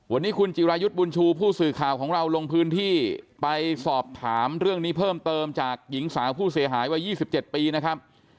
วันนี้คุณจิรายุทธ์บุญชูผู้สื่อข่าวของเราลงพื้นที่ไปสอบถามเรื่องนี้เพิ่มเติมจากหญิงสาวผู้เสียหายวัย๒๗ปีนะครับ